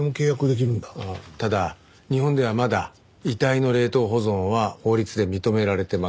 ただ日本ではまだ遺体の冷凍保存は法律で認められてません。